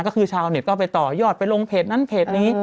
ก็คือชาวเน็ตก็ไปต่อยอดไปลงเพจนั้นเพจนี้